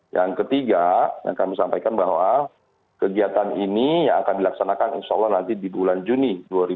yang ketiga yang kami sampaikan bahwa kegiatan ini yang akan dilaksanakan insya allah nanti di bulan juni dua ribu dua puluh